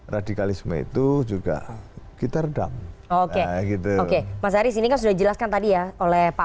radikalisme itu juga kita redam oke gitu oke mas aris ini kan sudah jelaskan tadi ya oleh pak